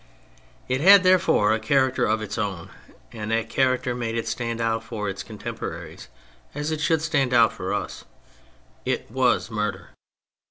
It had, therefore, a charac ter of its own, and that character made it stand out for its contemporaries as it should stand out for us : it was murder.